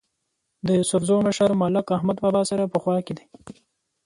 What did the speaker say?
د یوسفزو مشر ملک احمد بابا سره په خوا کې دی.